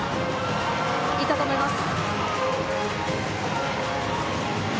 いったと思います。